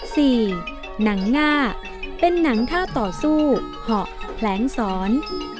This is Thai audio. หนังง่าเป็นหนังท่าต่อสู้เหาะแผลงสอน